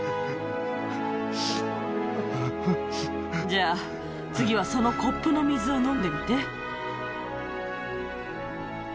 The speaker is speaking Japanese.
じゃあ、次はそのコップの水を飲んでみて。